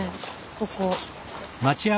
ここ。